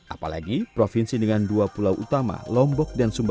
apalagi provinsi dengan dua pulau utama lombok dan sumbawa